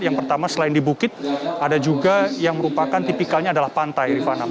yang pertama selain di bukit ada juga yang merupakan tipikalnya adalah pantai rifana